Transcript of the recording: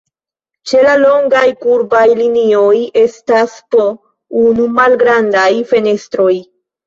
Ĉe la longaj kurbaj linioj estas po unu malgrandaj fenestroj.